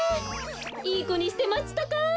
いいこにしてまちたか？